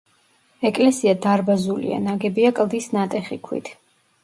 ეკლესია დარბაზულია, ნაგებია კლდის ნატეხი ქვით.